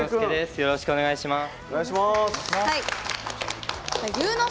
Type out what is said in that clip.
よろしくお願いします。